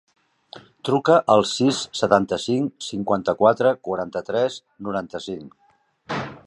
Truca al sis, setanta-cinc, cinquanta-quatre, quaranta-tres, noranta-cinc.